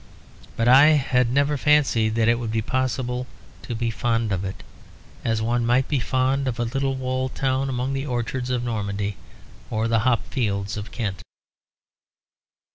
But I had never fancied that it would be possible to be fond of it; as one might be fond of a little walled town among the orchards of Normandy or the hop fields of Kent.